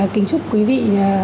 kính chúc quý vị